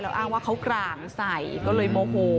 อ้างว่าเขากร่างใส่ก็เลยโมโห